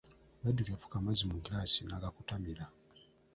Badru yafuka amazzi mu girasi n'agakutamira.